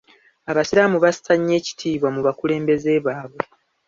Abasiraamu bassa nnyo ekitiibwa mu bakulembeze baabwe.